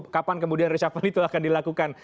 kapan kemudian reshuffle itu akan dilakukan